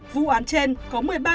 vụ án trên có một mươi ba bị cáo